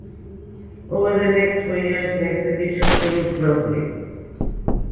Over the next four years the exhibition toured globally.